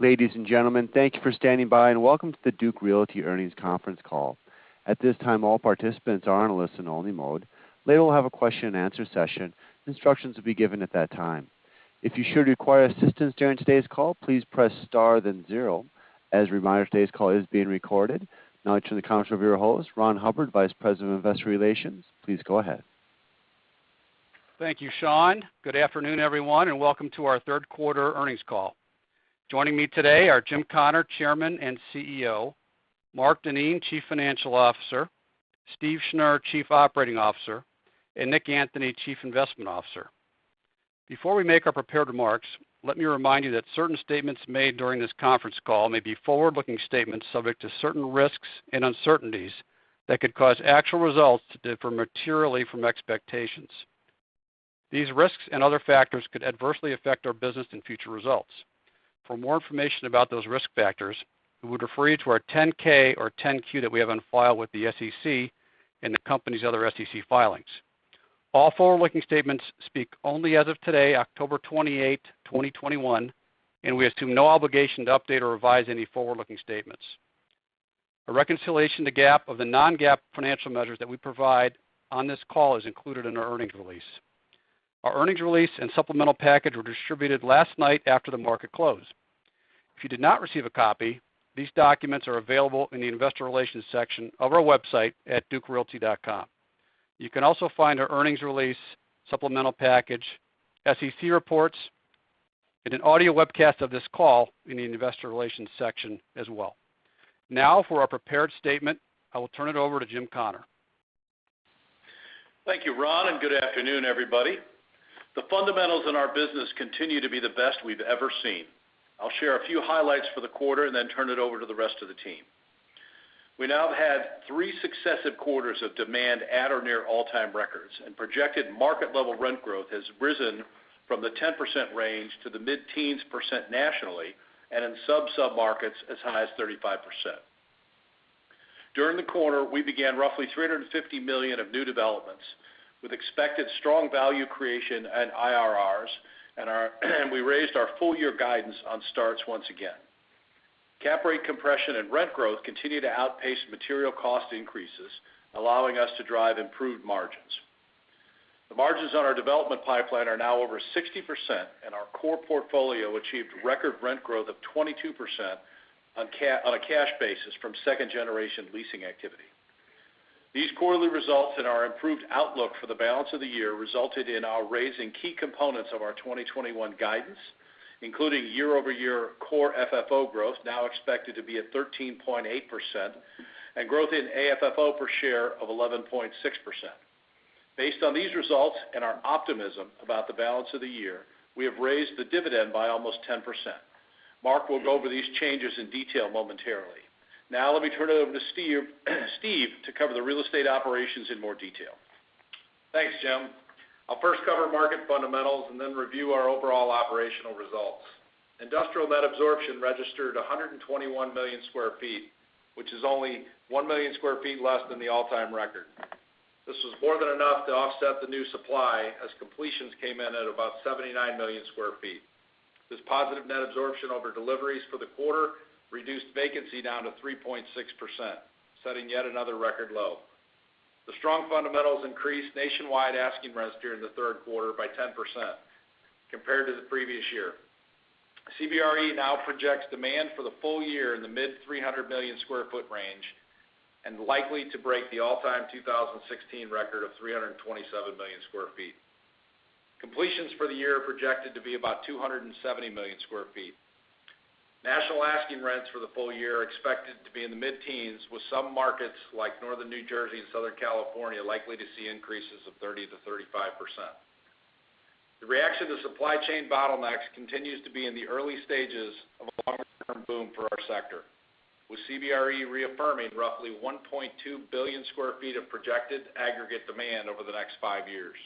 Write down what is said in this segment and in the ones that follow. Ladies and gentlemen, thank you for standing by, and welcome to the Duke Realty Earnings Conference Call. At this time, all participants are in a listen-only mode. Later, we'll have a question-and-answer session. Instructions will be given at that time. If you should require assistance during today's call, please press star, then zero. As a reminder, today's call is being recorded. Now, to the conference viewer host, Ron Hubbard, Vice President of Investor Relations. Please go ahead. Thank you, Sean. Good afternoon, everyone, and welcome to our third quarter earnings call. Joining me today are Jim Connor, Chairman and CEO, Mark Denien, Chief Financial Officer, Steve Schnur, Chief Operating Officer, and Nick Anthony, Chief Investment Officer. Before we make our prepared remarks, let me remind you that certain statements made during this conference call may be forward-looking statements subject to certain risks and uncertainties that could cause actual results to differ materially from expectations. These risks and other factors could adversely affect our business and future results. For more information about those risk factors, we would refer you to our 10-K or 10-Q that we have on file with the SEC and the company's other SEC filings. All forward-looking statements speak only as of today, October 28, 2021, and we assume no obligation to update or revise any forward-looking statements. A reconciliation to GAAP of the non-GAAP financial measures that we provide on this call is included in our earnings release. Our earnings release and supplemental package were distributed last night after the market closed. If you did not receive a copy, these documents are available in the Investor Relations section of our website at dukerealty.com. You can also find our earnings release, supplemental package, SEC reports, and an audio webcast of this call in the Investor Relations section as well. Now, for our prepared statement, I will turn it over to Jim Connor. Thank you, Ron, and good afternoon, everybody. The fundamentals in our business continue to be the best we've ever seen. I'll share a few highlights for the quarter and then turn it over to the rest of the team. We now have had three successive quarters of demand at or near all-time records, and projected market-level rent growth has risen from the 10% range to the mid-teens % nationally and in submarkets as high as 35%. During the quarter, we began roughly $350 million of new developments with expected strong value creation and IRRs, and we raised our full-year guidance on starts once again. Cap rate compression and rent growth continue to outpace material cost increases, allowing us to drive improved margins. The margins on our development pipeline are now over 60%, and our core portfolio achieved record rent growth of 22% on a cash basis from second-generation leasing activity. These quarterly results and our improved outlook for the balance of the year resulted in our raising key components of our 2021 guidance, including year-over-year core FFO growth, now expected to be at 13.8%, and growth in AFFO per share of 11.6%. Based on these results and our optimism about the balance of the year, we have raised the dividend by almost 10%. Mark will go over these changes in detail momentarily. Now, let me turn it over to Steve to cover the real estate operations in more detail. Thanks, Jim. I'll first cover market fundamentals and then review our overall operational results. Industrial net absorption registered 121 million sq ft, which is only 1 million sq ft less than the all-time record. This was more than enough to offset the new supply as completions came in at about 79 million sq ft. This positive net absorption over deliveries for the quarter reduced vacancy down to 3.6%, setting yet another record low. The strong fundamentals increased nationwide asking rents during the third quarter by 10% compared to the previous year. CBRE now projects demand for the full year in the mid-300 million sq ft range and likely to break the all-time 2016 record of 327 million sq ft. Completions for the year are projected to be about 270 million sq ft. National asking rents for the full year are expected to be in the mid-teens, with some markets like Northern New Jersey and Southern California likely to see increases of 30%-35%. The reaction to supply chain bottlenecks continues to be in the early stages of a longer-term boom for our sector, with CBRE reaffirming roughly 1.2 billion sq ft of projected aggregate demand over the next five years.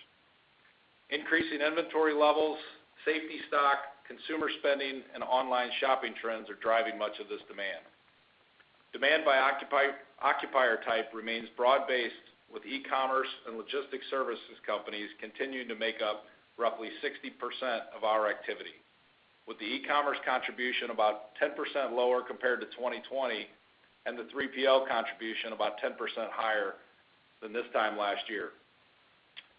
Increasing inventory levels, safety stock, consumer spending, and online shopping trends are driving much of this demand. Demand by occupier type remains broad-based, with e-commerce and logistics services companies continuing to make up roughly 60% of our activity, with the e-commerce contribution about 10% lower compared to 2020 and the 3PL contribution about 10% higher than this time last year.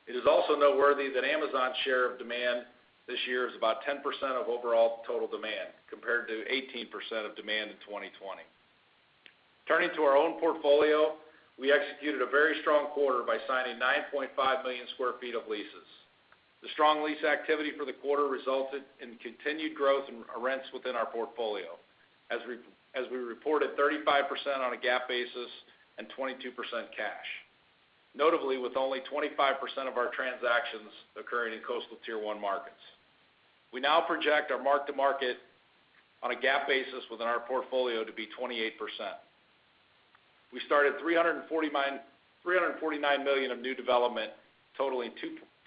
It is also noteworthy that Amazon's share of demand this year is about 10% of overall total demand, compared to 18% of demand in 2020. Turning to our own portfolio, we executed a very strong quarter by signing 9.5 million sq ft of leases. The strong lease activity for the quarter resulted in continued growth in rents within our portfolio, as we reported 35% on a GAAP basis and 22% cash. Notably, with only 25% of our transactions occurring in coastal Tier One markets. We now project our mark-to-market on a GAAP basis within our portfolio to be 28%. We started $349 million of new development, totaling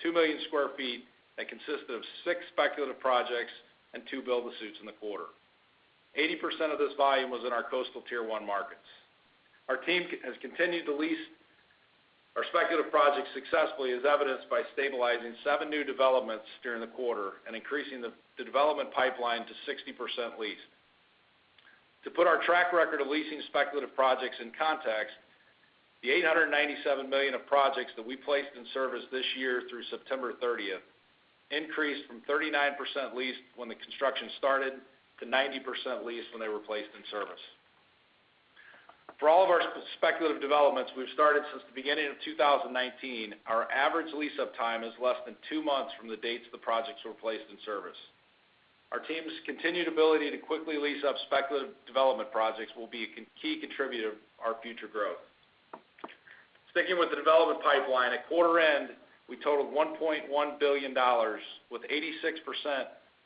2 million sq ft that consisted of six speculative projects and two build-to-suits in the quarter. 80% of this volume was in our coastal Tier One markets. Our team has continued to lease our speculative project successfully, as evidenced by stabilizing seven new developments during the quarter and increasing the development pipeline to 60% leased. To put our track record of leasing speculative projects in context, the $897 million of projects that we placed in service this year through September 30 increased from 39% leased when the construction started to 90% leased when they were placed in service. For all of our speculative developments we've started since the beginning of 2019, our average lease-up time is less than two months from the dates the projects were placed in service. Our team's continued ability to quickly lease up speculative development projects will be a key contributor to our future growth. Sticking with the development pipeline, at quarter end, we totaled $1.1 billion, with 86%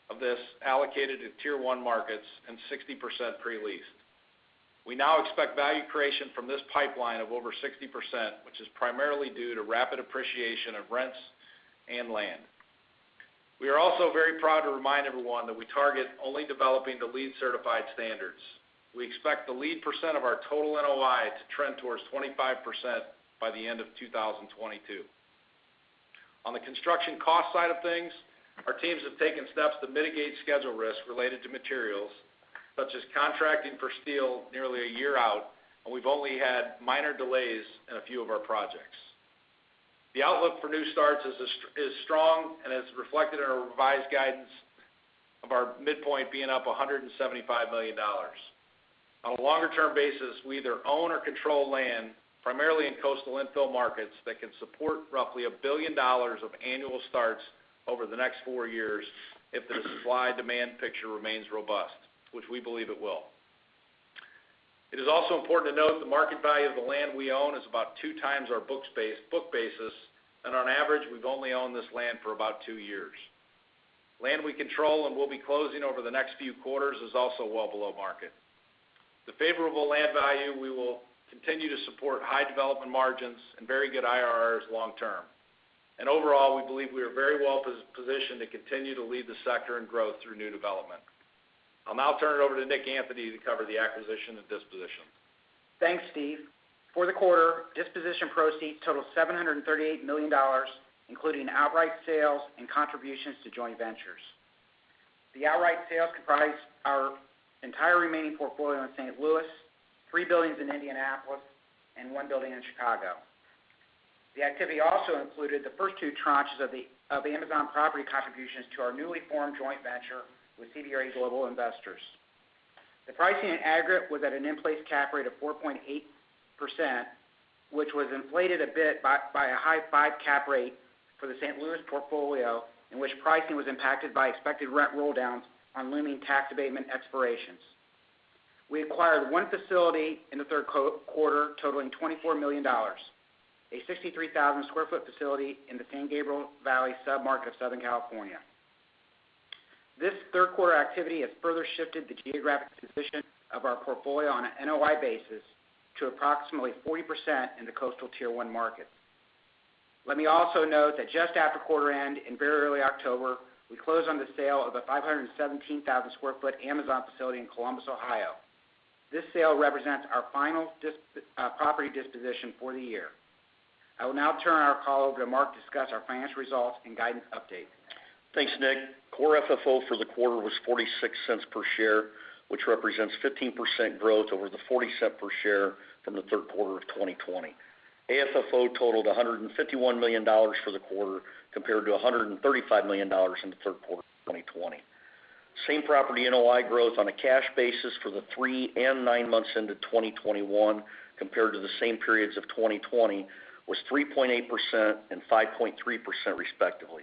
of this allocated to Tier one markets and 60% pre-leased. We now expect value creation from this pipeline of over 60%, which is primarily due to rapid appreciation of rents and land. We are also very proud to remind everyone that we target only developing the LEED certified standards. We expect the LEED percent of our total NOI to trend towards 25% by the end of 2022. On the construction cost side of things, our teams have taken steps to mitigate schedule risk related to materials, such as contracting for steel nearly a year out, and we've only had minor delays in a few of our projects. The outlook for new starts is strong and is reflected in our revised guidance of our midpoint being up $175 million. On a longer-term basis, we either own or control land, primarily in coastal infill markets, that can support roughly $1 billion of annual starts over the next four years if the supply-demand picture remains robust, which we believe it will. It is also important to note the market value of the land we own is about 2x our book basis, and on average, we've only owned this land for about two years. Land we control and will be closing over the next few quarters is also well below market. The favorable land value will continue to support high development margins and very good IRRs long term. Overall, we believe we are very well positioned to continue to lead the sector in growth through new development. I'll now turn it over to Nick Anthony to cover the acquisition and disposition. Thanks, Steve. For the quarter, disposition proceeds totaled $738 million, including outright sales and contributions to joint ventures. The outright sales comprised our entire remaining portfolio in St. Louis, three buildings in Indianapolis, and one building in Chicago. The activity also included the first two tranches of the Amazon property contributions to our newly formed joint venture with CBRE Global Investors. The pricing in aggregate was at an in-place cap rate of 4.8%, which was inflated a bit by a 5% cap rate for the St. Louis portfolio, in which pricing was impacted by expected rent rolldowns on looming tax abatement expirations. We acquired one facility in the third quarter, totaling $24 million, a 63,000 sq ft facility in the San Gabriel Valley submarket of Southern California. This third quarter activity has further shifted the geographic position of our portfolio on an NOI basis to approximately 40% in the coastal Tier one market. Let me also note that just after quarter end, in very early October, we closed on the sale of a 517,000 sq ft Amazon facility in Columbus, Ohio. This sale represents our final property disposition for the year. I will now turn our call over to Mark to discuss our financial results and guidance update. Thanks, Nick. Core FFO for the quarter was $0.46 per share, which represents 15% growth over the $0.40 per share from the third quarter of 2020. AFFO totaled $151 million for the quarter, compared to $135 million in the third quarter of 2020. Same-property NOI growth on a cash basis for the three and nine months into 2021 compared to the same periods of 2020 was 3.8% and 5.3% respectively.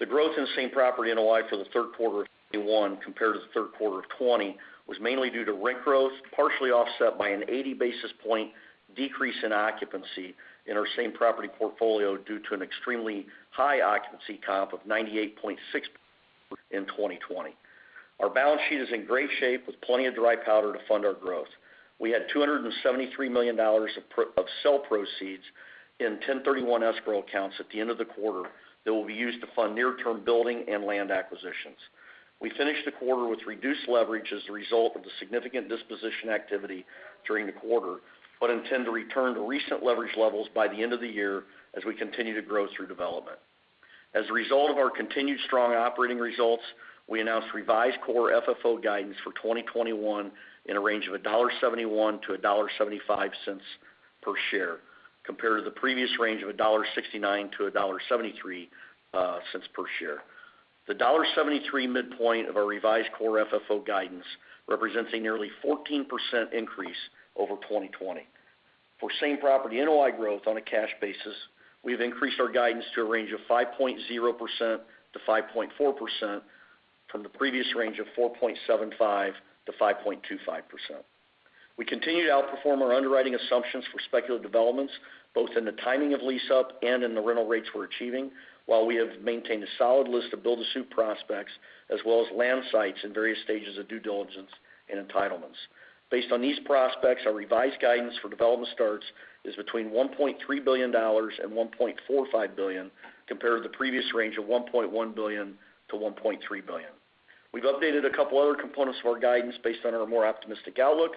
The growth in same-property NOI for the third quarter of 2021 compared to the third quarter of 2020 was mainly due to rent growth, partially offset by an 80 basis point decrease in occupancy in our same-property portfolio due to an extremely high occupancy comp of 98.6 in 2020. Our balance sheet is in great shape, with plenty of dry powder to fund our growth. We had $273 million of sale proceeds in 1031 escrow accounts at the end of the quarter that will be used to fund near-term building and land acquisitions. We finished the quarter with reduced leverage as a result of the significant disposition activity during the quarter, but intend to return to recent leverage levels by the end of the year as we continue to grow through development. As a result of our continued strong operating results, we announced revised core FFO guidance for 2021 in a range of $1.71-$1.75 per share, compared to the previous range of $1.69-$1.73 cents per share. The $1.73 midpoint of our revised core FFO guidance represents a nearly 14% increase over 2020. For same-property NOI growth on a cash basis, we've increased our guidance to a range of 5.0%-5.4% from the previous range of 4.75%-5.25%. We continue to outperform our underwriting assumptions for speculative developments, both in the timing of lease-up and in the rental rates we're achieving, while we have maintained a solid list of build-to-suit prospects, as well as land sites in various stages of due diligence and entitlements. Based on these prospects, our revised guidance for development starts is between $1.3 billion and $1.45 billion, compared to the previous range of $1.1 billion-$1.3 billion. We've updated a couple other components of our guidance based on our more optimistic outlook,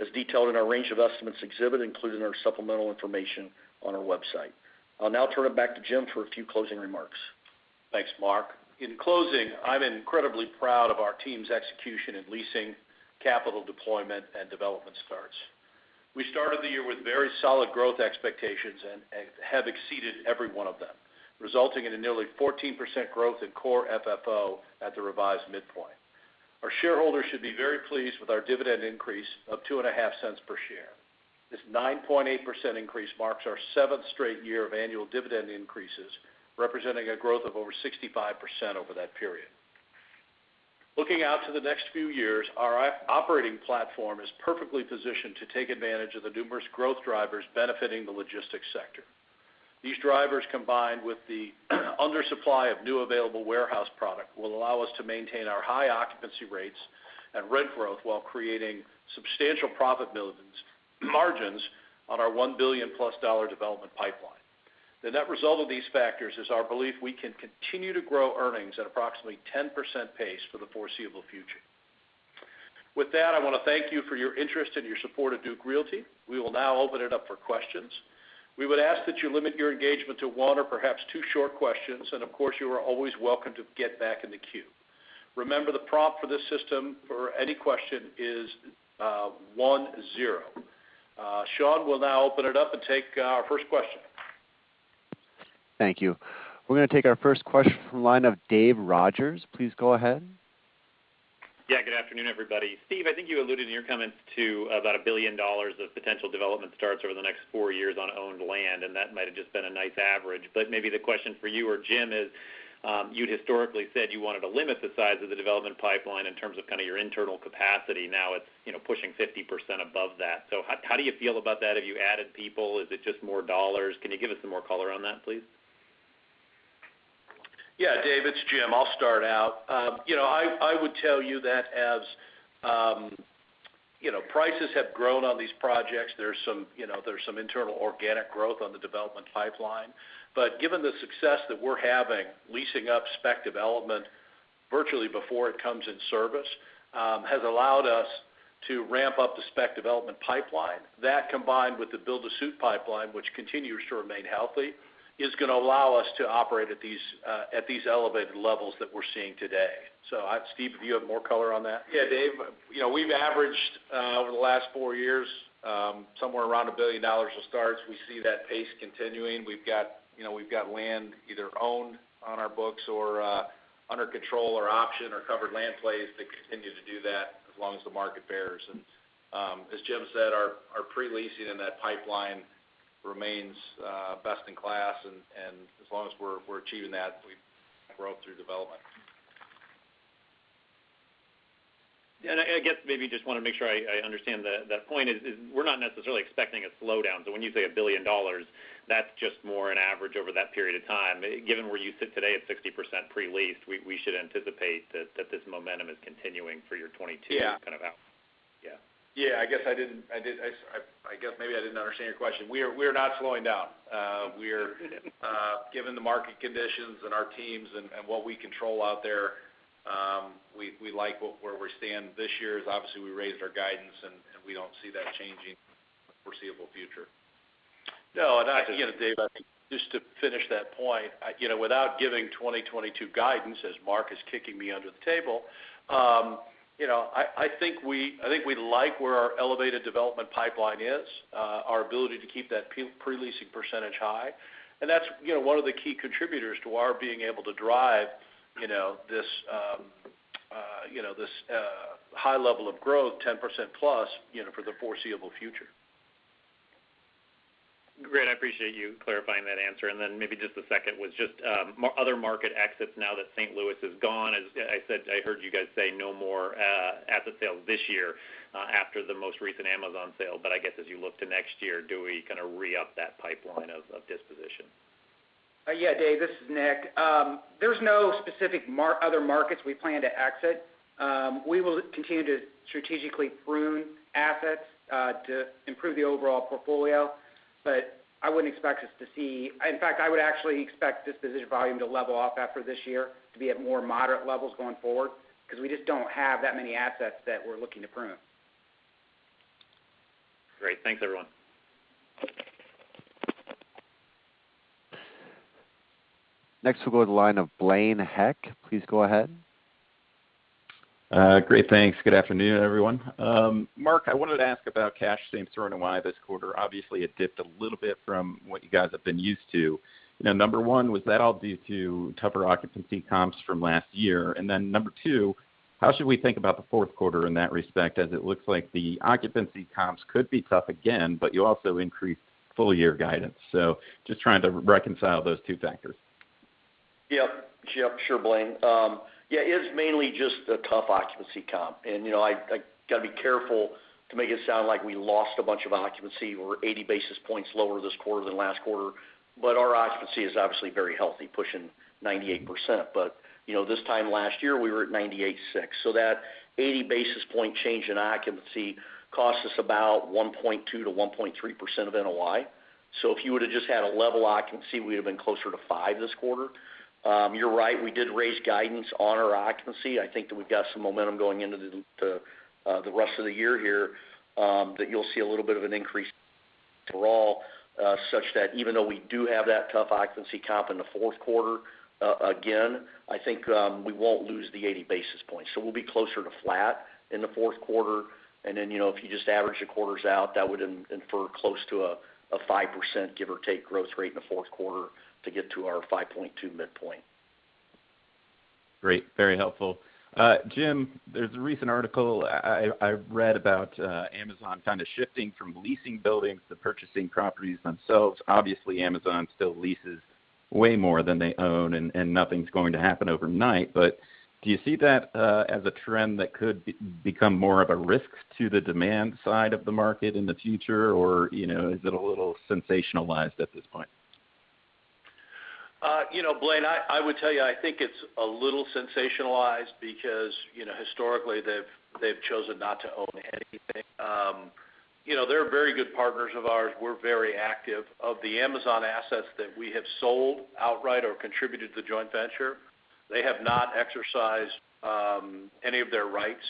as detailed in our range of estimates exhibit, including our supplemental information on our website. I'll now turn it back to Jim for a few closing remarks. Thanks, Mark. In closing, I'm incredibly proud of our team's execution in leasing, capital deployment, and development starts. We started the year with very solid growth expectations and have exceeded every one of them, resulting in a nearly 14% growth in core FFO at the revised midpoint. Our shareholders should be very pleased with our dividend increase of $0.025 per share. This 9.8% increase marks our seventh straight year of annual dividend increases, representing a growth of over 65% over that period. Looking out to the next few years, our operating platform is perfectly positioned to take advantage of the numerous growth drivers benefiting the logistics sector. These drivers, combined with the undersupply of new available warehouse product, will allow us to maintain our high occupancy rates and rent growth while creating substantial profit margins on our $1 billion-plus development pipeline. The net result of these factors is our belief we can continue to grow earnings at approximately 10% pace for the foreseeable future. With that, I wanna thank you for your interest and your support of Duke Realty. We will now open it up for questions. We would ask that you limit your engagement to one or perhaps two short questions, and of course, you are always welcome to get back in the queue. Sean, we'll now open it up and take our first question. Thank you. We're gonna take our first question from the line of Dave Rodgers. Please go ahead. Yeah, good afternoon, everybody. Steve, I think you alluded in your comments to about $1 billion of potential development starts over the next four years on owned land, and that might've just been a nice average. Maybe the question for you or Jim is, you'd historically said you wanted to limit the size of the development pipeline in terms of kind of your internal capacity. Now it's, you know, pushing 50% above that. How do you feel about that? Have you added people? Is it just more dollars? Can you give us some more color on that, please? Yeah, Dave, it's Jim. I'll start out. You know, I would tell you that as prices have grown on these projects, there's some internal organic growth on the development pipeline. Given the success that we're having leasing up spec development virtually before it comes in service has allowed us to ramp up the spec development pipeline. That combined with the build-to-suit pipeline, which continues to remain healthy, is gonna allow us to operate at these elevated levels that we're seeing today. Steve, do you have more color on that? Yeah, Dave. You know, we've averaged over the last four years somewhere around $1 billion of starts. We see that pace continuing. We've got, you know, we've got land either owned on our books or under control or option or covered land plays to continue to do that as long as the market bears. As Jim said, our pre-leasing in that pipeline remains best in class. As long as we're achieving that, we grow through development. Yeah. I guess maybe just wanna make sure I understand the point is we're not necessarily expecting a slowdown. When you say $1 billion, that's just more an average over that period of time. Given where you sit today at 60% pre-leased, we should anticipate that this momentum is continuing for your 2022 kind of out- Yeah. Yeah. Yeah. I guess I didn't understand your question. We are not slowing down. We're given the market conditions and our teams and what we control out there, we like where we stand this year. Obviously, we raised our guidance and we don't see that changing in the foreseeable future. No. You know, Dave, I think just to finish that point, you know, without giving 2022 guidance, as Mark is kicking me under the table, you know, I think we like where our elevated development pipeline is, our ability to keep that pre-leasing percentage high. That's, you know, one of the key contributors to our being able to drive, you know, this high level of growth, 10%+, you know, for the foreseeable future. Great. I appreciate you clarifying that answer. Then maybe just a second was just other market exits now that St. Louis is gone. As I said, I heard you guys say no more asset sales this year after the most recent Amazon sale. I guess as you look to next year, do we kind of re-up that pipeline of disposition? Yeah, Dave, this is Nick. There's no specific other markets we plan to exit. We will continue to strategically prune assets to improve the overall portfolio, but I wouldn't expect us to see. In fact, I would actually expect disposition volume to level off after this year to be at more moderate levels going forward because we just don't have that many assets that we're looking to prune. Great. Thanks, everyone. Next, we'll go to the line of Blaine Heck. Please go ahead. Great. Thanks. Good afternoon, everyone. Mark, I wanted to ask about cash same-store NOI this quarter. Obviously, it dipped a little bit from what you guys have been used to. You know, number one, was that all due to tougher occupancy comps from last year? Number two, how should we think about the fourth quarter in that respect, as it looks like the occupancy comps could be tough again, but you also increased full-year guidance? Just trying to reconcile those two factors. Yep. Yep, sure, Blaine. Yeah, it's mainly just a tough occupancy comp. You know, I gotta be careful to make it sound like we lost a bunch of occupancy. We're 80 basis points lower this quarter than last quarter, but our occupancy is obviously very healthy, pushing 98%. You know, this time last year, we were at 98.6%. That 80 basis point change in occupancy cost us about 1.2%-1.3% of NOI. If you would've just had a level occupancy, we would've been closer to 5% this quarter. You're right, we did raise guidance on our occupancy. I think that we've got some momentum going into the rest of the year here, that you'll see a little bit of an increase overall, such that even though we do have that tough occupancy comp in the fourth quarter, again, I think, we won't lose the 80 basis points. We'll be closer to flat in the fourth quarter. You know, if you just average the quarters out, that would infer close to a 5% give or take growth rate in the fourth quarter to get to our 5.2% midpoint. Great. Very helpful. Jim, there's a recent article I read about Amazon kind of shifting from leasing buildings to purchasing properties themselves. Obviously, Amazon still leases way more than they own, and nothing's going to happen overnight. But do you see that as a trend that could become more of a risk to the demand side of the market in the future? Or, you know, is it a little sensationalized at this point? You know, Blaine, I would tell you, I think it's a little sensationalized because, you know, historically they've chosen not to own anything. You know, they're very good partners of ours. We're very active. Of the Amazon assets that we have sold outright or contributed to the joint venture, they have not exercised any of their rights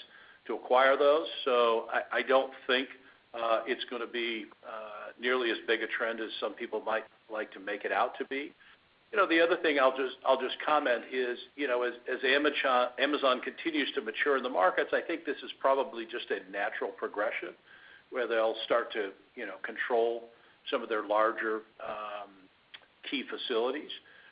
to acquire those. I don't think it's gonna be nearly as big a trend as some people might like to make it out to be. You know, the other thing I'll just comment is, you know, as Amazon continues to mature in the markets, I think this is probably just a natural progression where they'll start to, you know, control some of their larger key facilities.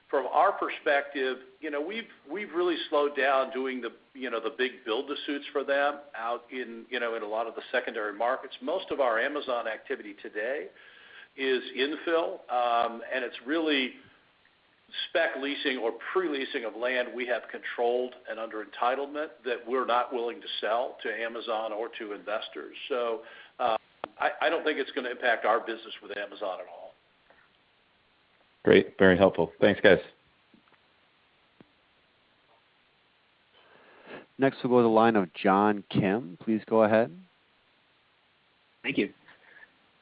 From our perspective, you know, we've really slowed down doing the, you know, the big build-to-suits for them out in, you know, in a lot of the secondary markets. Most of our Amazon activity today is infill, and it's really spec leasing or pre-leasing of land we have controlled and under entitlement that we're not willing to sell to Amazon or to investors. I don't think it's gonna impact our business with Amazon at all. Great. Very helpful. Thanks, guys. Next, we'll go to the line of John Kim. Please go ahead. Thank you.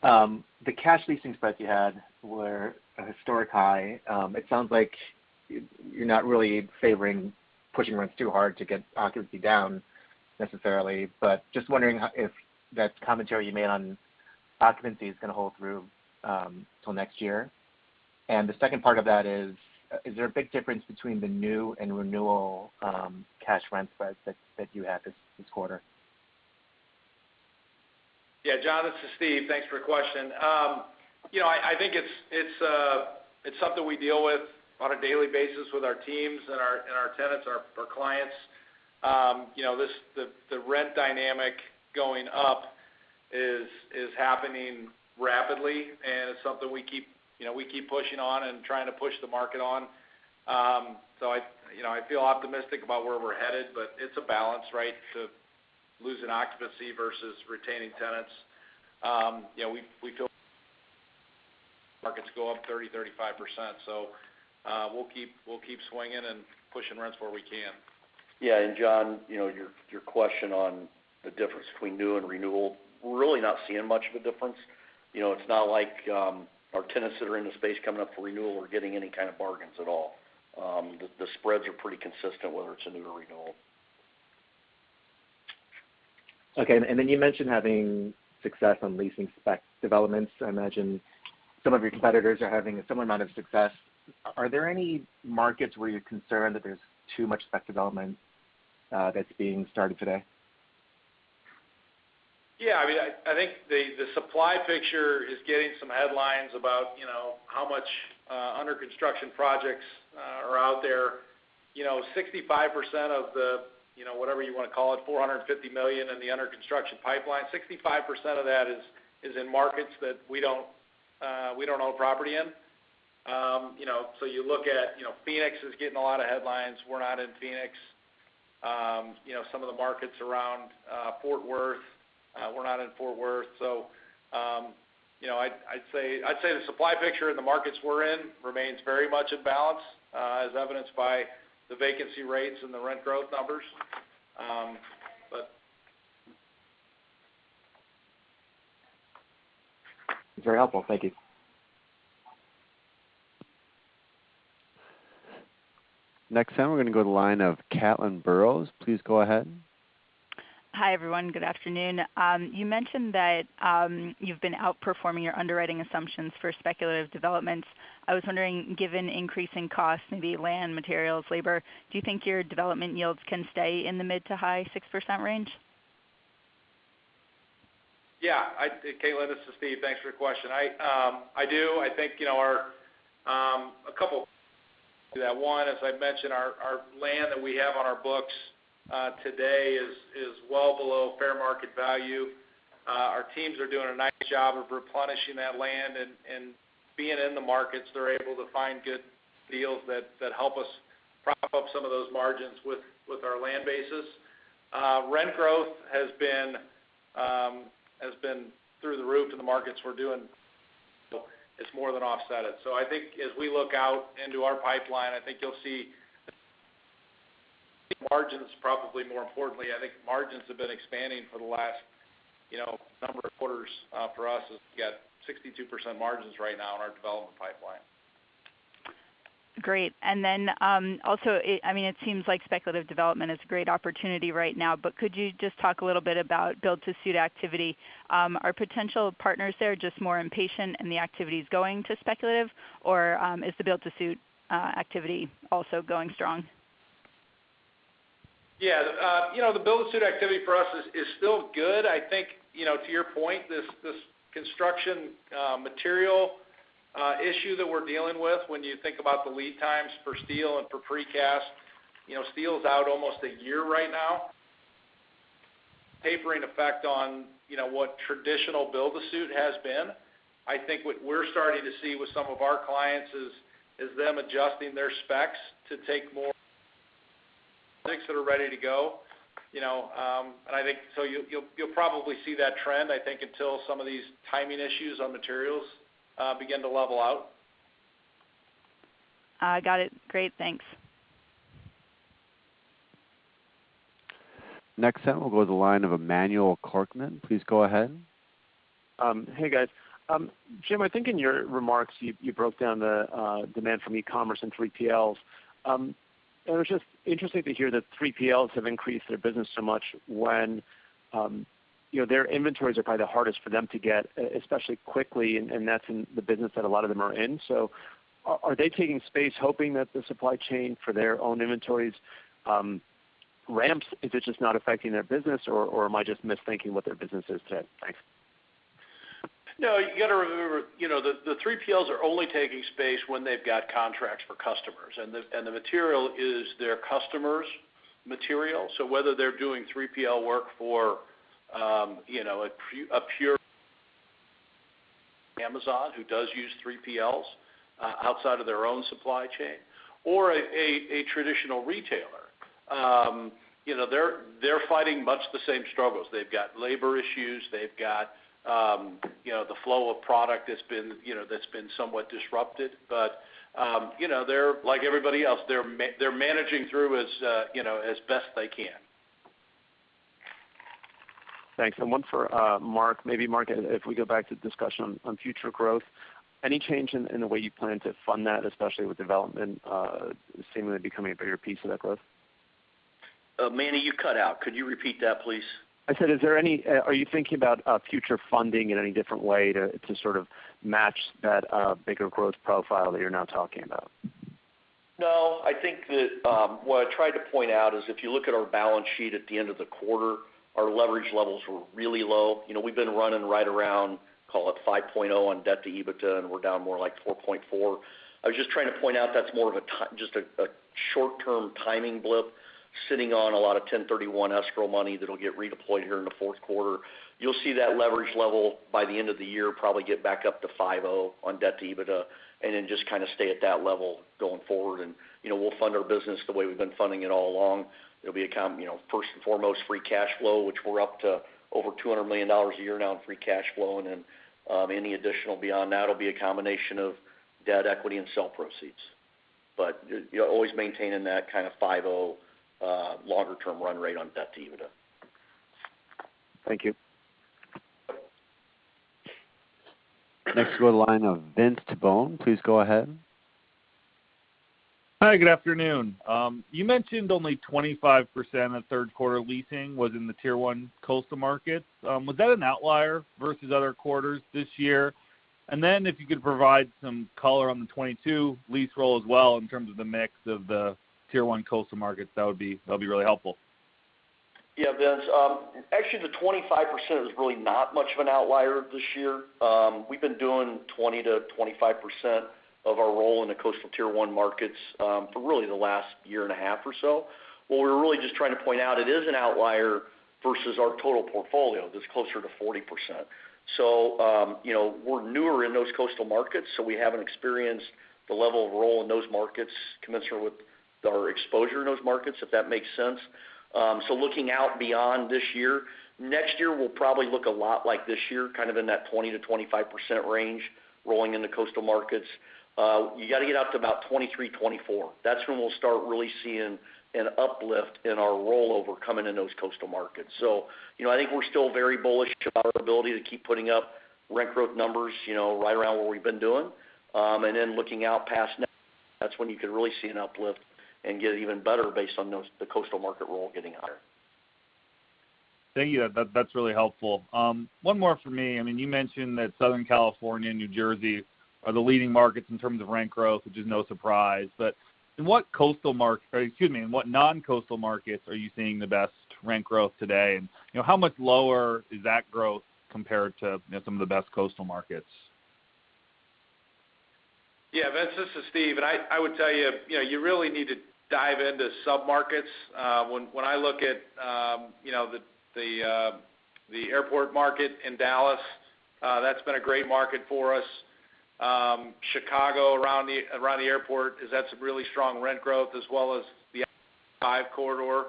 The cash leasing spreads you had were a historic high. It sounds like you're not really favoring pushing rents too hard to get occupancy down necessarily. Just wondering if that commentary you made on occupancy is gonna hold through till next year. The second part of that is there a big difference between the new and renewal cash rent spreads that you had this quarter? Yeah. John, this is Steve. Thanks for your question. You know, I think it's something we deal with on a daily basis with our teams and our tenants, our clients. You know, the rent dynamic going up is happening rapidly, and it's something we keep you know we keep pushing on and trying to push the market on. You know, I feel optimistic about where we're headed, but it's a balance, right, to losing occupancy versus retaining tenants. You know, we go markets go up 30-35%. We'll keep swinging and pushing rents where we can. Yeah. John, you know, your question on the difference between new and renewal, we're really not seeing much of a difference. You know, it's not like our tenants that are in the space coming up for renewal are getting any kind of bargains at all. The spreads are pretty consistent, whether it's a new or renewal. Okay. You mentioned having success on leasing spec developments. I imagine some of your competitors are having a similar amount of success. Are there any markets where you're concerned that there's too much spec development that's being started today? Yeah. I mean, I think the supply picture is getting some headlines about, you know, how much under construction projects are out there. You know, 65% of the, you know, whatever you wanna call it, 450 million in the under construction pipeline, 65% of that is in markets that we don't own property in. You know, so you look at, you know, Phoenix is getting a lot of headlines. We're not in Phoenix. You know, some of the markets around Fort Worth, we're not in Fort Worth. You know, I'd say the supply picture in the markets we're in remains very much in balance, as evidenced by the vacancy rates and the rent growth numbers. But... It's very helpful. Thank you. Next time, we're gonna go to the line of Caitlin Burrows. Please go ahead. Hi, everyone. Good afternoon. You mentioned that you've been outperforming your underwriting assumptions for speculative developments. I was wondering, given increasing costs, maybe land, materials, labor, do you think your development yields can stay in the mid- to high-6% range? Yeah. Caitlin, this is Steve. Thanks for your question. I do. I think, you know, a couple to add to that. One, as I've mentioned, our land that we have on our books today is well below fair market value. Our teams are doing a nice job of replenishing that land and being in the markets, they're able to find good deals that help us prop up some of those margins with our land bases. Rent growth has been through the roof in the markets we're in. It's more than offset it. I think as we look out into our pipeline, I think you'll see margins probably more importantly. I think margins have been expanding for the last, you know, number of quarters, for us as we got 62% margins right now in our development pipeline. Great. Also, I mean, it seems like speculative development is a great opportunity right now, but could you just talk a little bit about build-to-suit activity? Are potential partners there just more impatient and the activity is going to speculative, or is the build-to-suit activity also going strong? Yeah. You know, the build-to-suit activity for us is still good. I think, you know, to your point, this construction material issue that we're dealing with when you think about the lead times for steel and for precast, you know, steel's out almost a year right now. Tapering effect on, you know, what traditional build-to-suit has been. I think what we're starting to see with some of our clients is them adjusting their specs to take more things that are ready to go, you know, and I think so you'll probably see that trend, I think, until some of these timing issues on materials begin to level out. Got it. Great. Thanks. Next up, we'll go to the line of Emmanuel Korchman. Please go ahead. Hey, guys. Jim, I think in your remarks, you broke down the demand from e-commerce and 3PLs. It was just interesting to hear that 3PLs have increased their business so much when, you know, their inventories are probably the hardest for them to get, especially quickly, and that's in the business that a lot of them are in. Are they taking space hoping that the supply chain for their own inventories ramps? Is it just not affecting their business, or am I just misthinking what their business is today? Thanks. No, you gotta remember, you know, the 3PLs are only taking space when they've got contracts for customers, and the material is their customer's material. Whether they're doing 3PL work for, you know, a pure Amazon, who does use 3PLs, outside of their own supply chain or a traditional retailer. You know, they're fighting much the same struggles. They've got labor issues. They've got the flow of product that's been somewhat disrupted. They're like everybody else. They're managing through as best they can. Thanks. One for Mark. Maybe Mark, if we go back to the discussion on future growth, any change in the way you plan to fund that, especially with development seemingly becoming a bigger piece of that growth? Manny, you cut out. Could you repeat that, please? I said, is there any? Are you thinking about future funding in any different way to sort of match that bigger growth profile that you're now talking about? No. I think that what I tried to point out is if you look at our balance sheet at the end of the quarter, our leverage levels were really low. You know, we've been running right around, call it 5.0 on debt to EBITDA, and we're down more like 4.4. I was just trying to point out that's more of a just a short-term timing blip sitting on a lot of 1031 escrow money that'll get redeployed here in the fourth quarter. You'll see that leverage level by the end of the year probably get back up to 5.0 on debt to EBITDA and then just kind of stay at that level going forward. You know, we'll fund our business the way we've been funding it all along. You know, first and foremost, free cash flow, which we're up to over $200 million a year now in free cash flow. Any additional beyond that'll be a combination of debt, equity and sale proceeds. You know, always maintaining that kind of 5.0 longer term run rate on debt to EBITDA. Thank you. Next, we'll go to the line of Vince Tibone. Please go ahead. Hi. Good afternoon. You mentioned only 25% of third quarter leasing was in the Tier One coastal markets. Was that an outlier versus other quarters this year? Then if you could provide some color on the 2022 lease roll as well in terms of the mix of the Tier One coastal markets, that'd be really helpful. Yeah, Vince. Actually, the 25% is really not much of an outlier this year. We've been doing 20%-25% of our roll in the coastal Tier One markets, for really the last year and a half or so. What we're really just trying to point out, it is an outlier versus our total portfolio that's closer to 40%. You know, we're newer in those coastal markets, so we haven't experienced the level of roll in those markets commensurate with our exposure in those markets, if that makes sense. Looking out beyond this year, next year will probably look a lot like this year, kind of in that 20%-25% range rolling in the coastal markets. You gotta get out to about 2023, 2024. That's when we'll start really seeing an uplift in our rollover coming in those coastal markets. You know, I think we're still very bullish about our ability to keep putting up rent growth numbers, you know, right around what we've been doing. Looking out past next, that's when you can really see an uplift and get even better based on those, the coastal market rollover getting higher. Thank you. That's really helpful. One more for me. I mean, you mentioned that Southern California and New Jersey are the leading markets in terms of rent growth, which is no surprise. In what non-coastal markets are you seeing the best rent growth today? You know, how much lower is that growth compared to, you know, some of the best coastal markets? Vince, this is Steve. I would tell you know, you really need to dive into submarkets. When I look at the airport market in Dallas, that's been a great market for us. Chicago, around the airport has had some really strong rent growth as well as the corridor.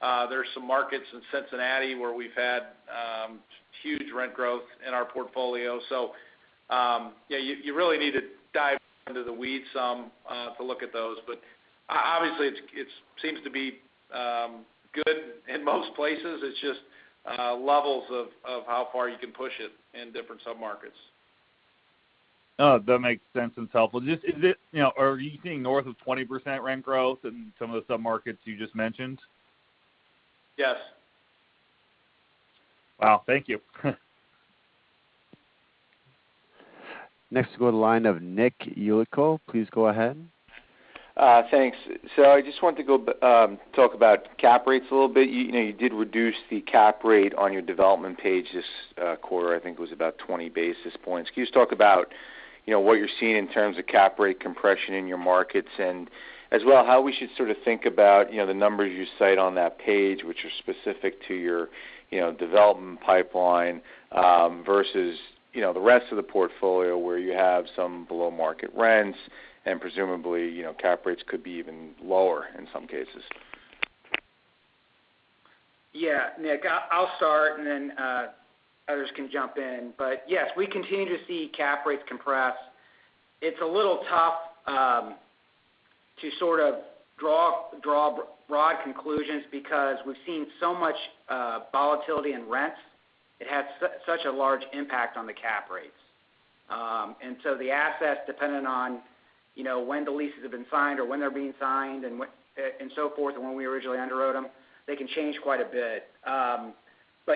There's some markets in Cincinnati where we've had huge rent growth in our portfolio. You really need to dive into the weeds some to look at those. But obviously, it seems to be good in most places. It's just levels of how far you can push it in different submarkets. Oh, that makes sense and helpful. Just, is it, you know, are you seeing north of 20% rent growth in some of the submarkets you just mentioned? Yes. Wow, thank you. Next, we go to the line of Nick Yulico. Please go ahead. Thanks. I just wanted to talk about cap rates a little bit. You know, you did reduce the cap rate on your development page this quarter, I think it was about 20 basis points. Can you just talk about, you know, what you're seeing in terms of cap rate compression in your markets? As well, how we should sort of think about, you know, the numbers you cite on that page, which are specific to your, you know, development pipeline, versus, you know, the rest of the portfolio where you have some below-market rents, and presumably, you know, cap rates could be even lower in some cases. Yeah. Nick, I'll start and then, others can jump in. Yes, we continue to see cap rates compress. It's a little tough to sort of draw broad conclusions because we've seen so much volatility in rents. It has such a large impact on the cap rates. The assets, depending on, you know, when the leases have been signed or when they're being signed and so forth, and when we originally underwrote them, they can change quite a bit.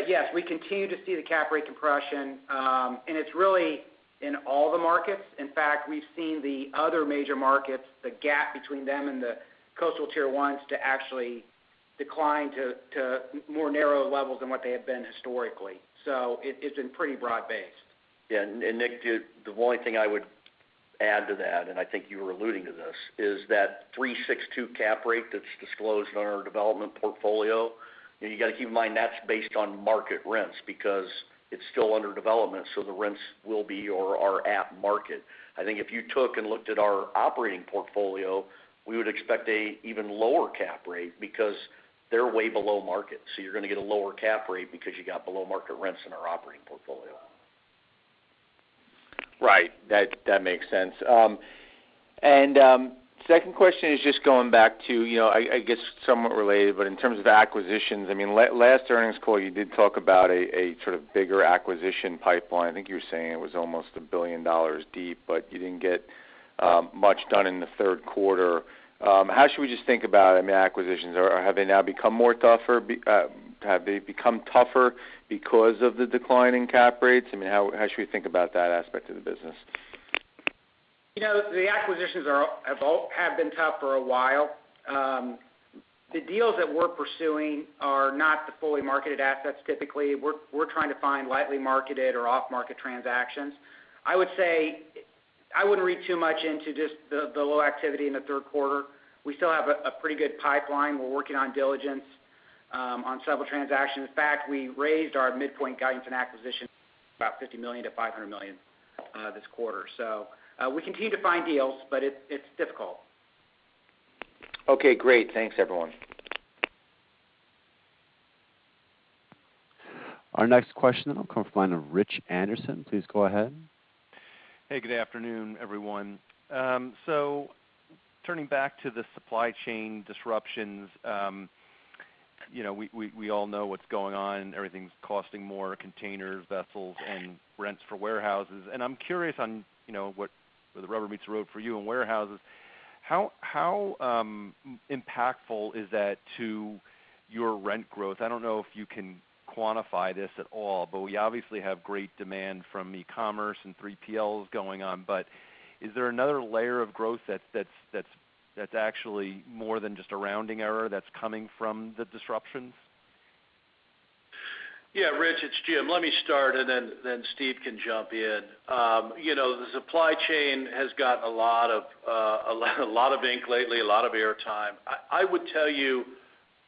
Yes, we continue to see the cap rate compression. It's really in all the markets. In fact, we've seen the other major markets, the gap between them and the coastal Tier Ones to actually decline to more narrow levels than what they had been historically. It's been pretty broad-based. Yeah. Nick, the only thing I would add to that, and I think you were alluding to this, is that 3.62% cap rate that's disclosed on our development portfolio, you know, you gotta keep in mind that's based on market rents because it's still under development, so the rents will be or are at market. I think if you took and looked at our operating portfolio, we would expect a even lower cap rate because they're way below market. You're gonna get a lower cap rate because you got below-market rents in our operating portfolio. Right. That makes sense. Second question is just going back to, you know, I guess, somewhat related, but in terms of the acquisitions. I mean, last earnings call, you did talk about a sort of bigger acquisition pipeline. I think you were saying it was almost $1 billion deep, but you didn't get much done in the third quarter. How should we just think about, I mean, acquisitions or have they now become more tougher? Have they become tougher because of the decline in cap rates? I mean, how should we think about that aspect of the business? You know, the acquisitions have been tough for a while. The deals that we're pursuing are not the fully marketed assets. Typically, we're trying to find lightly marketed or off-market transactions. I would say I wouldn't read too much into just the low activity in the third quarter. We still have a pretty good pipeline. We're working on diligence on several transactions. In fact, we raised our midpoint guidance and acquisition about $50 million-$500 million this quarter. We continue to find deals, but it's difficult. Okay, great. Thanks, everyone. Our next question will come from the line of Rich Anderson. Please go ahead. Hey, good afternoon, everyone. Turning back to the supply chain disruptions, you know, we all know what's going on. Everything's costing more, containers, vessels, and rents for warehouses. I'm curious on, you know, what, where the rubber meets the road for you in warehouses. How impactful is that to your rent growth? I don't know if you can quantify this at all. We obviously have great demand from e-commerce and 3PLs going on. Is there another layer of growth that's actually more than just a rounding error that's coming from the disruptions? Yeah. Rich, it's Jim. Let me start, and then Steve can jump in. You know, the supply chain has got a lot of a lot of ink lately, a lot of airtime. I would tell you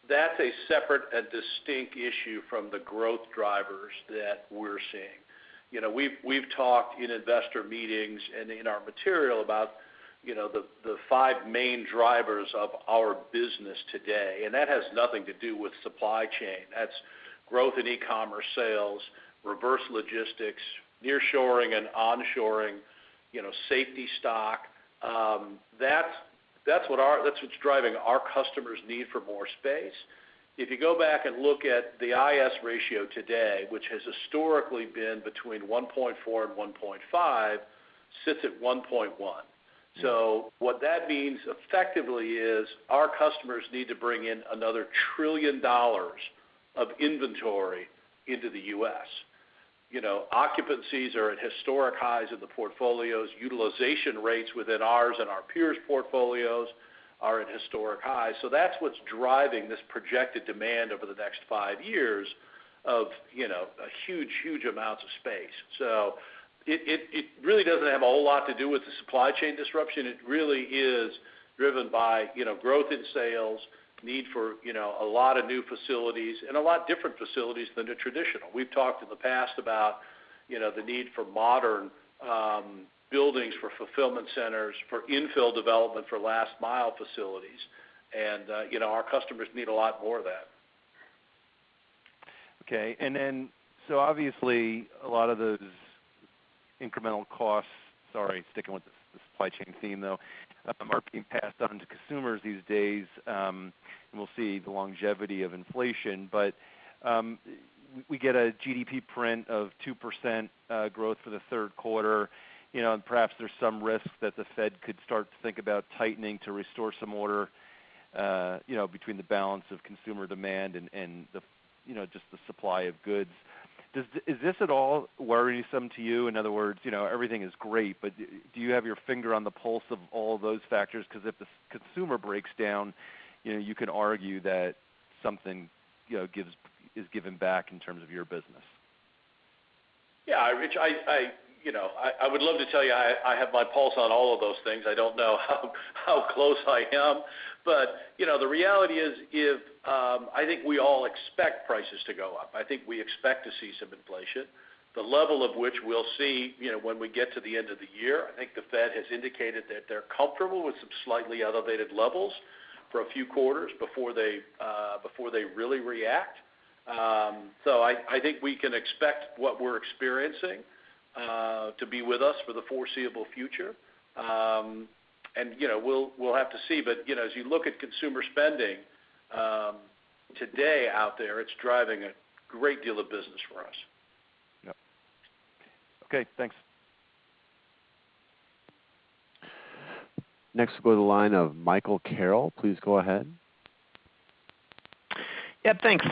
that's a separate and distinct issue from the growth drivers that we're seeing. You know, we've talked in investor meetings and in our material about, you know, the five main drivers of our business today, and that has nothing to do with supply chain. That's growth in e-commerce sales, reverse logistics, nearshoring and onshoring, you know, safety stock. That's what's driving our customers' need for more space. If you go back and look at the I/S ratio today, which has historically been between 1.4 and 1.5, sits at 1.1. What that means effectively is our customers need to bring in another $1 trillion of inventory into the U.S. You know, occupancies are at historic highs in the portfolios. Utilization rates within ours and our peers' portfolios are at historic highs. That's what's driving this projected demand over the next five years of, you know, a huge amounts of space. It really doesn't have a whole lot to do with the supply chain disruption. It really is driven by, you know, growth in sales, need for, you know, a lot of new facilities and a lot different facilities than the traditional. We've talked in the past about, you know, the need for modern buildings for fulfillment centers, for infill development, for last mile facilities. You know, our customers need a lot more of that. Obviously a lot of those incremental costs, sorry, sticking with the supply chain theme though, are being passed on to consumers these days, and we'll see the longevity of inflation. We get a GDP print of 2% growth for the third quarter, you know, and perhaps there's some risk that the Fed could start to think about tightening to restore some order, you know, between the balance of consumer demand and the, you know, just the supply of goods. Is this at all worrisome to you? In other words, you know, everything is great, but do you have your finger on the pulse of all those factors? Because if the consumer breaks down, you know, you can argue that something, you know, is given back in terms of your business. Yeah. Rich, you know, I would love to tell you I have my pulse on all of those things. I don't know how close I am. You know, the reality is I think we all expect prices to go up. I think we expect to see some inflation, the level of which we'll see, you know, when we get to the end of the year. I think the Fed has indicated that they're comfortable with some slightly elevated levels for a few quarters before they really react. So I think we can expect what we're experiencing to be with us for the foreseeable future. You know, we'll have to see. You know, as you look at consumer spending today out there, it's driving a great deal of business for us. Yep. Okay. Thanks. Next we'll go to the line of Michael Carroll. Please go ahead. Yep. Thanks.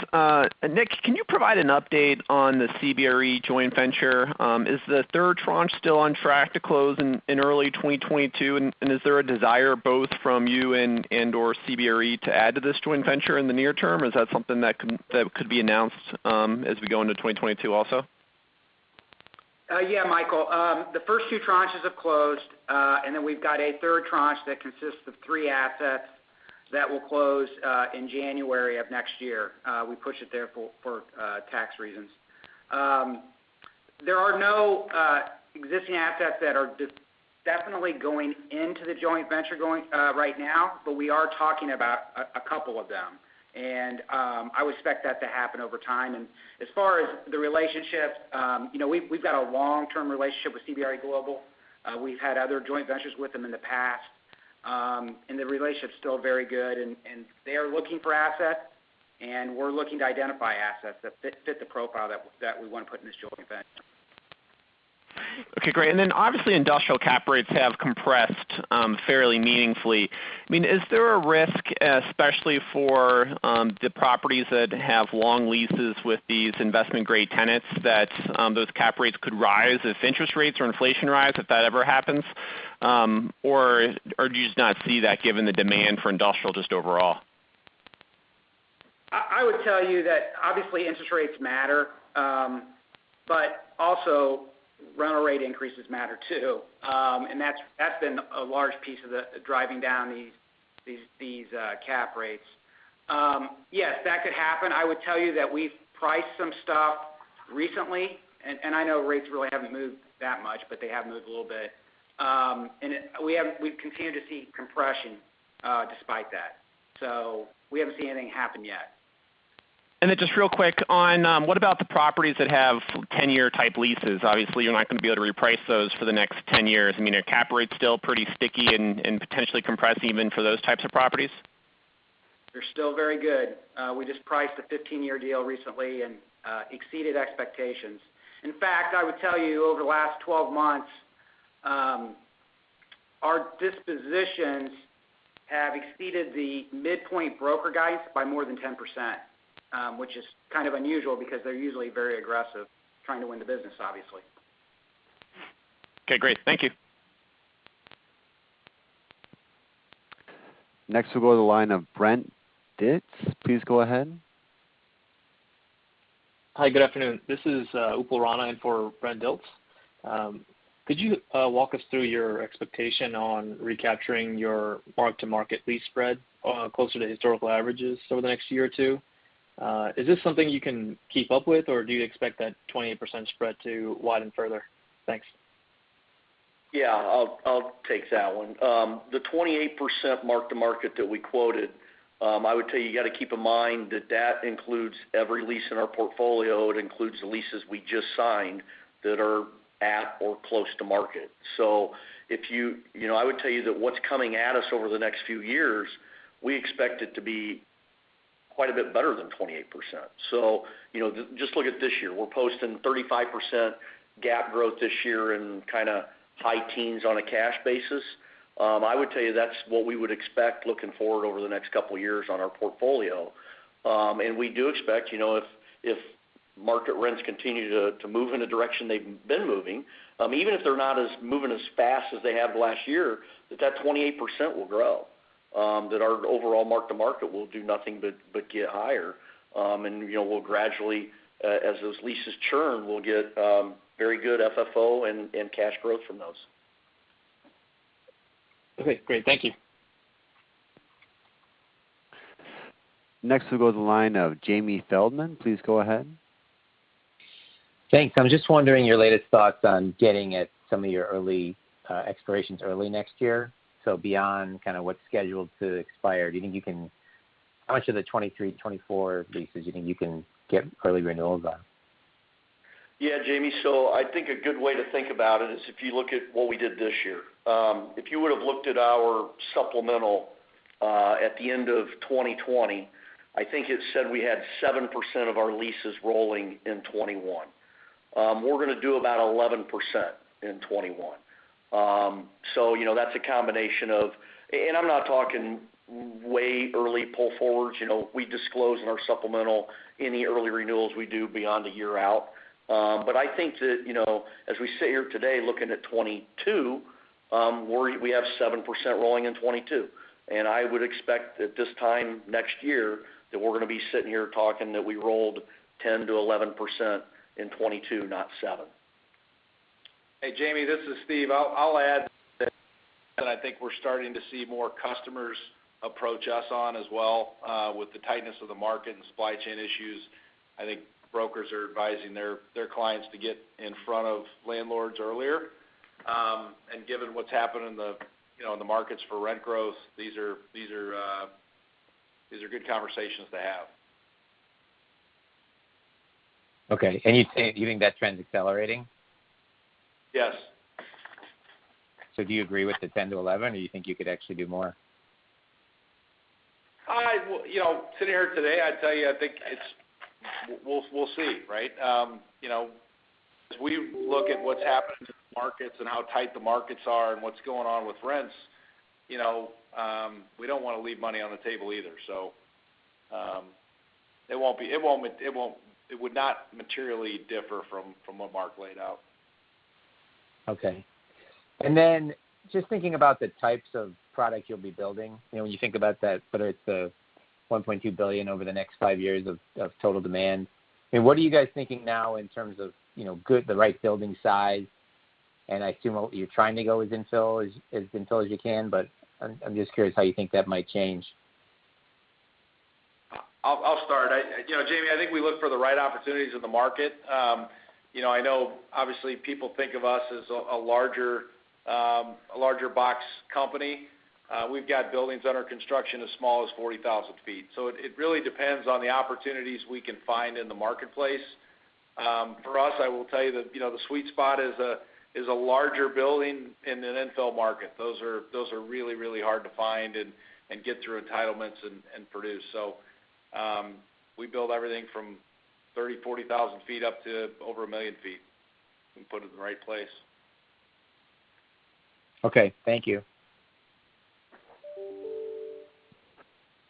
Nick, can you provide an update on the CBRE joint venture? Is the third tranche still on track to close in early 2022? Is there a desire both from you and/or CBRE to add to this joint venture in the near term? Is that something that could be announced as we go into 2022 also? Yeah, Michael. The first two tranches have closed, and then we've got a third tranche that consists of three assets that will close in January of next year. We push it there for tax reasons. There are no existing assets that are definitely going into the joint venture right now, but we are talking about a couple of them. I would expect that to happen over time. As far as the relationship, you know, we've got a long-term relationship with CBRE Global. We've had other joint ventures with them in the past, and the relationship's still very good. They are looking for assets, and we're looking to identify assets that fit the profile that we wanna put in this joint venture. Okay, great. Obviously, industrial cap rates have compressed fairly meaningfully. I mean, is there a risk, especially for the properties that have long leases with these investment-grade tenants that those cap rates could rise if interest rates or inflation rise, if that ever happens? Or do you just not see that given the demand for industrial just overall? I would tell you that obviously interest rates matter, but also rental rate increases matter too. That's been a large piece of the driving down these cap rates. Yes, that could happen. I would tell you that we've priced some stuff recently, and I know rates really haven't moved that much, but they have moved a little bit. We've continued to see compression despite that. We haven't seen anything happen yet. Just real quick on, what about the properties that have 10-year type leases? Obviously, you're not gonna be able to reprice those for the next 10 years. I mean, are cap rates still pretty sticky and potentially compressing even for those types of properties? They're still very good. We just priced a 15-year deal recently and exceeded expectations. In fact, I would tell you, over the last 12 months, our dispositions have exceeded the midpoint broker guides by more than 10%, which is kind of unusual because they're usually very aggressive trying to win the business, obviously. Okay, great. Thank you. Next we'll go to the line of Brent Dilts. Please go ahead. Hi, good afternoon. This is Upal Rana in for Brent Dilts. Could you walk us through your expectation on recapturing your mark-to-market lease spread closer to historical averages over the next year or two? Is this something you can keep up with, or do you expect that 28% spread to widen further? Thanks. Yeah. I'll take that one. The 28% mark-to-market that we quoted, I would tell you gotta keep in mind that that includes every lease in our portfolio. It includes the leases we just signed that are at or close to market. If you know, I would tell you that what's coming at us over the next few years, we expect it to be quite a bit better than 28%. You know, just look at this year. We're posting 35% GAAP growth this year and kinda high teens% on a cash basis. I would tell you that's what we would expect looking forward over the next couple years on our portfolio. We do expect, you know, if market rents continue to move in the direction they've been moving, even if they're not moving as fast as they have last year, that 28% will grow, that our overall mark-to-market will do nothing but get higher. You know, we'll gradually, as those leases churn, we'll get very good FFO and cash growth from those. Okay, great. Thank you. Next we'll go to the line of Jamie Feldman. Please go ahead. Thanks. I'm just wondering your latest thoughts on getting at some of your early expirations early next year. Beyond kind of what's scheduled to expire, how much of the 2023, 2024 leases you think you can get early renewals on? Yeah, Jamie. I think a good way to think about it is if you look at what we did this year. If you would've looked at our supplemental at the end of 2020, I think it said we had 7% of our leases rolling in 2021. We're gonna do about 11% in 2021. You know, that's a combination of, and I'm not talking way early pull forwards. You know, we disclose in our supplemental any early renewals we do beyond a year out. I think that, you know, as we sit here today looking at 2022, we have 7% rolling in 2022. I would expect that this time next year, that we're gonna be sitting here talking that we rolled 10%-11% in 2022, not 7%. Hey, Jamie, this is Steve. I'll add that I think we're starting to see more customers approach us on as well, with the tightness of the market and supply chain issues. I think brokers are advising their clients to get in front of landlords earlier. Given what's happened in the, you know, in the markets for rent growth, these are good conversations to have. Okay. You'd say, you think that trend's accelerating? Yes. Do you agree with the 10-11, or you think you could actually do more? Well, you know, sitting here today, I'd tell you, I think it's. We'll see, right? You know, as we look at what's happening to the markets and how tight the markets are and what's going on with rents, you know, we don't wanna leave money on the table either. It would not materially differ from what Mark laid out. Okay. Just thinking about the types of product you'll be building, you know, when you think about that, whether it's the $1.2 billion over the next five years of total demand. I mean, what are you guys thinking now in terms of, you know, the right building size? I assume what you're trying to go as infill as you can, but I'm just curious how you think that might change. I'll start. You know, Jamie, I think we look for the right opportunities in the market. You know, I know obviously people think of us as a larger box company. We've got buildings under construction as small as 40,000 sq ft. So it really depends on the opportunities we can find in the marketplace. For us, I will tell you that, you know, the sweet spot is a larger building in an infill market. Those are really hard to find and get through entitlements and produce. So we build everything from 30,000-40,000 sq ft up to over 1 million sq ft, if we can put it in the right place. Okay. Thank you.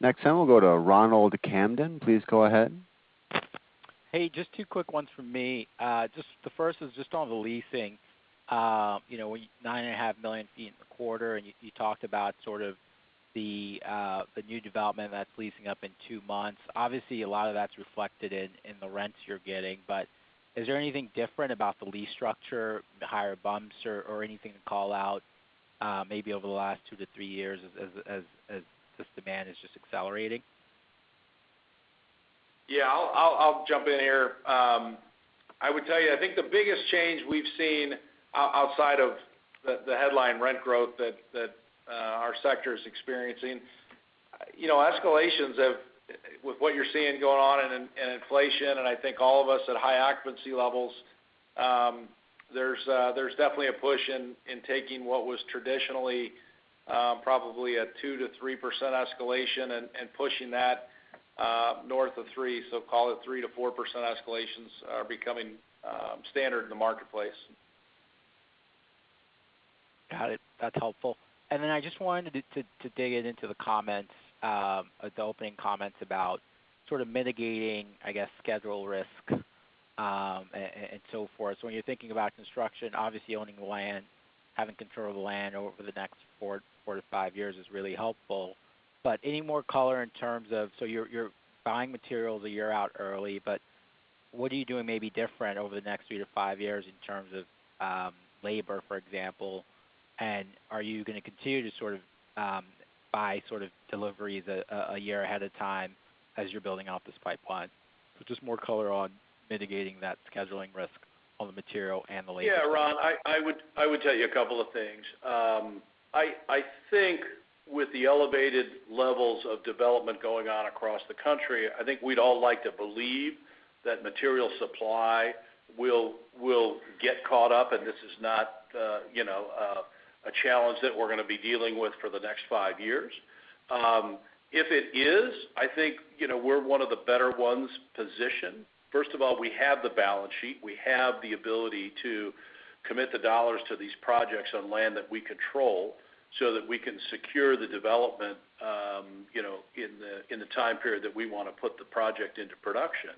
Next time, we'll go to Ronald Kamdem. Please go ahead. Hey, just two quick ones from me. Just the first is just on the leasing. You know, 9.5 million sq ft in the quarter, and you talked about sort of the new development that's leasing up in two months. Obviously, a lot of that's reflected in the rents you're getting. Is there anything different about the lease structure, the higher bumps or anything to call out, maybe over the last two to three years as this demand is just accelerating? Yeah. I'll jump in here. I would tell you, I think the biggest change we've seen outside of the headline rent growth that our sector is experiencing, you know, escalations of, with what you're seeing going on in inflation, and I think all of us at high occupancy levels, there's definitely a push in taking what was traditionally probably a 2%-3% escalation and pushing that north of 3%. So call it 3%-4% escalations are becoming standard in the marketplace. Got it. That's helpful. Then I just wanted to dig into the comments, the opening comments about sort of mitigating, I guess, schedule risk, and so forth. When you're thinking about construction, obviously owning the land, having control of the land over the next four-five years is really helpful. But any more color in terms of. You're buying materials a year out early, but what are you doing maybe different over the next three-five years in terms of, labor, for example? And are you gonna continue to sort of, buy sort of deliveries a year ahead of time as you're building out this pipeline? Just more color on mitigating that scheduling risk on the material and the labor. Yeah, Ron, I would tell you a couple of things. I think with the elevated levels of development going on across the country, I think we'd all like to believe that material supply will get caught up, and this is not a challenge that we're gonna be dealing with for the next five years. If it is, I think, you know, we're one of the better ones positioned. First of all, we have the balance sheet. We have the ability to commit the dollars to these projects on land that we control so that we can secure the development, you know, in the time period that we wanna put the project into production.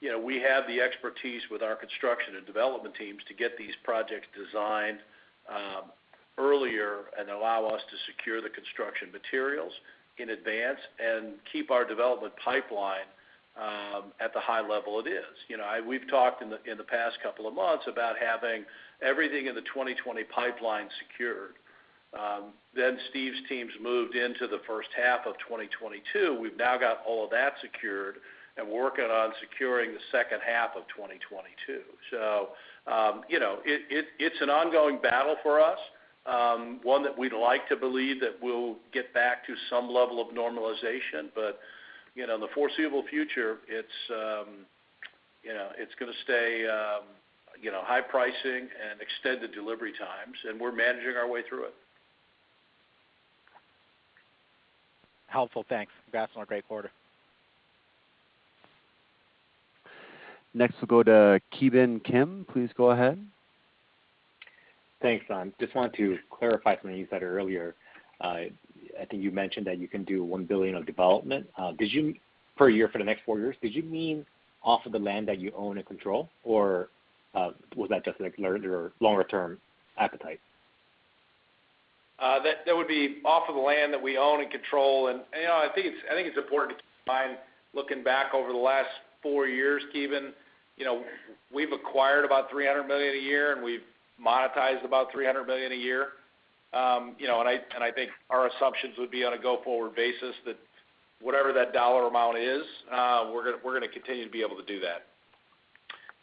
You know, we have the expertise with our construction and development teams to get these projects designed earlier and allow us to secure the construction materials in advance and keep our development pipeline at the high level it is. You know, we've talked in the past couple of months about having everything in the 2020 pipeline secured. Steve's teams moved into the first half of 2022. We've now got all of that secured, and we're working on securing the second half of 2022. You know, it's an ongoing battle for us, one that we'd like to believe that we'll get back to some level of normalization. You know, in the foreseeable future, it's gonna stay, you know, high pricing and extended delivery times, and we're managing our way through it. Helpful. Thanks. Congrats on a great quarter. Next, we'll go to Ki Bin Kim. Please go ahead. Thanks, Sean. Just wanted to clarify something you said earlier. I think you mentioned that you can do $1 billion of development per year for the next four years. Did you mean off of the land that you own and control, or was that just like longer term appetite? That would be off of the land that we own and control. You know, I think it's important to keep in mind looking back over the last four years, Ki Bin. You know, we've acquired about $300 million a year, and we've monetized about $300 million a year. You know, I think our assumptions would be on a go-forward basis that whatever that dollar amount is, we're gonna continue to be able to do that.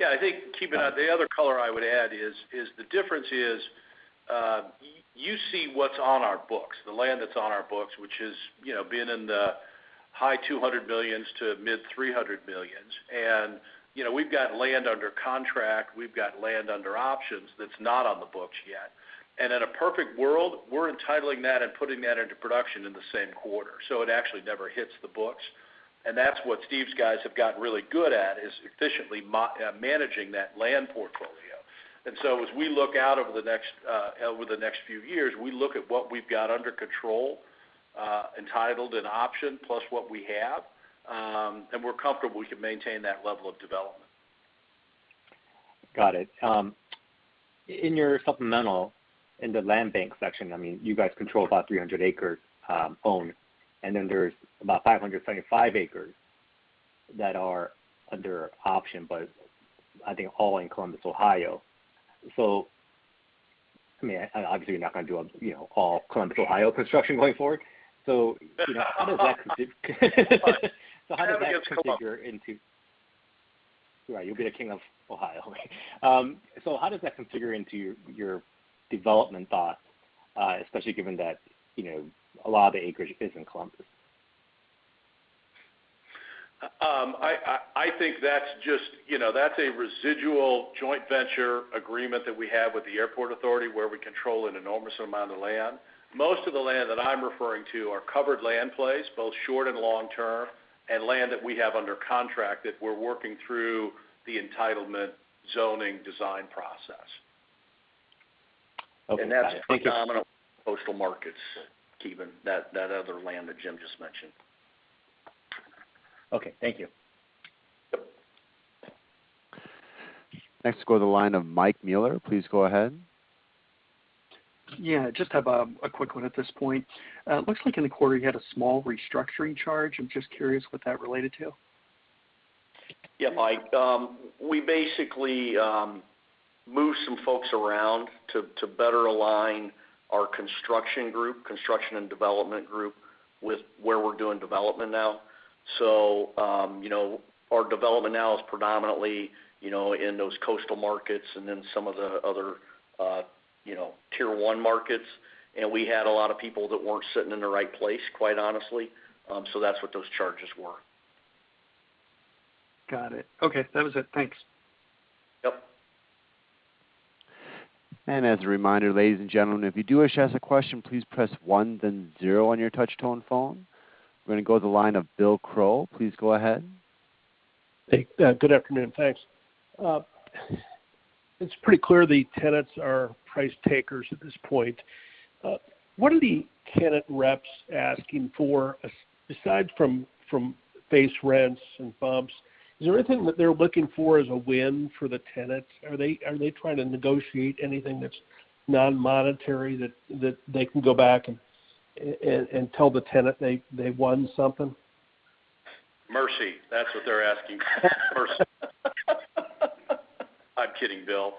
I think, Kim, the other color I would add is the difference is you see what's on our books, the land that's on our books, which is, you know, being in the high $200 millions to mid $300 millions. You know, we've got land under contract, we've got land under options that's not on the books yet. In a perfect world, we're entitling that and putting that into production in the same quarter, so it actually never hits the books. That's what Steve's guys have gotten really good at, is efficiently managing that land portfolio. As we look out over the next few years, we look at what we've got under control, entitled and option, plus what we have, and we're comfortable we can maintain that level of development. Got it. In your supplemental, in the land bank section, I mean, you guys control about 300 acres owned, and then there's about 575 acres that are under option, but I think all in Columbus, Ohio. I mean, obviously, you're not gonna do, you know, all Columbus, Ohio, construction going forward. You know, how does that configure into. Right. You'll be the king of Ohio. How does that configure into your development thoughts, especially given that, you know, a lot of the acreage is in Columbus? I think that's just, you know, that's a residual joint venture agreement that we have with the airport authority, where we control an enormous amount of land. Most of the land that I'm referring to are covered land plays, both short and long term, and land that we have under contract that we're working through the entitlement zoning design process. Okay. Got it. Thank you. That's predominantly coastal markets, Ki Bin, that other land that Jim just mentioned. Okay. Thank you. Next, go to the line of Mike Mueller. Please go ahead. Yeah, just have a quick one at this point. Looks like in the quarter you had a small restructuring charge. I'm just curious what that related to. Yeah, Mike. We basically moved some folks around to better align our construction group, construction and development group, with where we're doing development now. You know, our development now is predominantly, you know, in those coastal markets and then some of the other, you know, Tier One markets. We had a lot of people that weren't sitting in the right place, quite honestly. That's what those charges were. Got it. Okay. That was it. Thanks. Yep. As a reminder, ladies and gentlemen, if you do wish to ask a question, please press one then zero on your touch tone phone. We're gonna go to the line of Bill Crow. Please go ahead. Hey. Good afternoon. Thanks. It's pretty clear the tenants are price takers at this point. What are the tenant reps asking for besides from base rents and bumps? Is there anything that they're looking for as a win for the tenants? Are they trying to negotiate anything that's non-monetary that they can go back and tell the tenant they won something? Mercy. That's what they're asking for. Mercy. I'm kidding, Bill.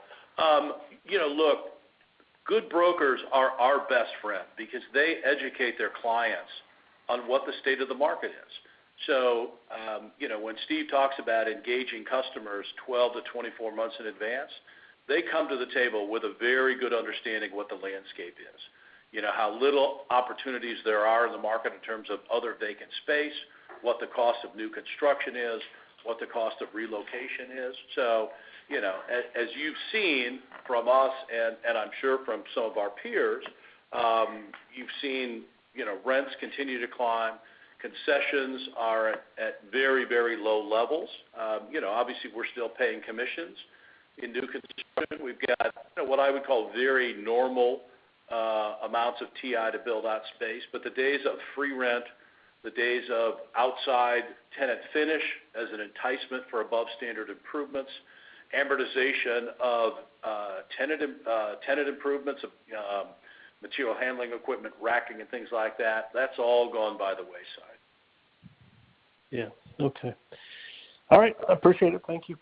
You know, look, good brokers are our best friend because they educate their clients on what the state of the market is. You know, when Steve talks about engaging customers 12-24 months in advance, they come to the table with a very good understanding what the landscape is. You know, how little opportunities there are in the market in terms of other vacant space, what the cost of new construction is, what the cost of relocation is. You know, as you've seen from us and I'm sure from some of our peers, you've seen, you know, rents continue to climb, concessions are at very, very low levels. You know, obviously we're still paying commissions. In new construction, we've got what I would call very normal amounts of TI to build out space. The days of free rent, the days of outsized tenant finish as an enticement for above standard improvements, amortization of tenant improvements of material handling equipment, racking and things like that's all gone by the wayside. Yeah. Okay. All right. I appreciate it. Thank you.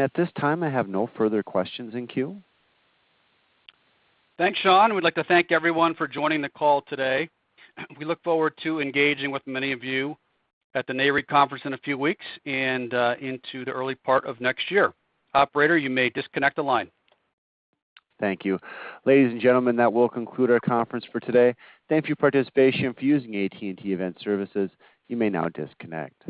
At this time, I have no further questions in queue. Thanks, Sean. We'd like to thank everyone for joining the call today. We look forward to engaging with many of you at the NAREIT conference in a few weeks and into the early part of next year. Operator, you may disconnect the line. Thank you. Ladies and gentlemen, that will conclude our conference for today. Thank you for your participation for using AT&T Event Services. You may now disconnect.